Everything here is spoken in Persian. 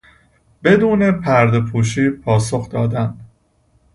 بدون پردهپوشی پاسخ دادن